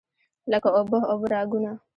لکه اوبه، اوبه راګونه